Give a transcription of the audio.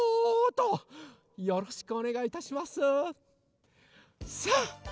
よろしくおねがいいたします。さあ！